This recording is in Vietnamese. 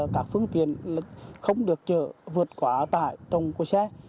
các phương tiện không được chở vượt quá tải trong xe